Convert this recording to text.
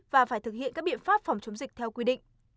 và phải thực hiện các biện pháp phòng chống dịch theo quy định